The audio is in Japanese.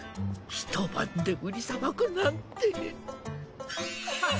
ひと晩で売りさばくなんて。